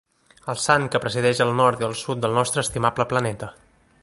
El sant que presideix el nord i el sud del nostre estimable planeta.